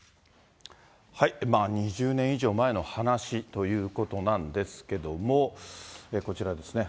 ２０年以上前の話ということなんですけども、こちらですね。